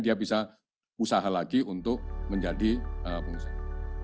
dia bisa usaha lagi untuk menjadi pengusaha